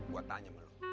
gua tanya sama lu